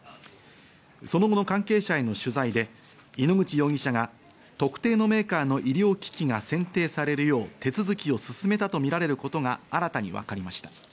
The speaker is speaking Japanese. その後の関係者への取材で井ノ口容疑者が特定のメーカーの医療機器が選定されるよう手続きを進めたとみられることが新たに分かりました。